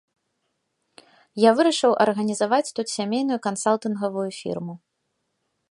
Я вырашыў арганізаваць тут сямейную кансалтынгавую фірму.